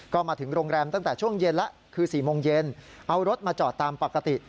ก็มาถึงโรงแรมตั้งแต่ช่วงเย็นแล้วคือ๔โมงเย็นเอารถมาจอดตามปกติ